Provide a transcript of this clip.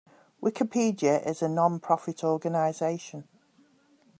Wikipedia is a non-profit organization.